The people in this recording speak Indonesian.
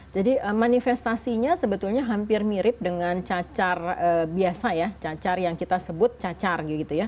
jadi manifestasinya sebetulnya hampir mirip dengan cacar biasa ya cacar yang kita sebut cacar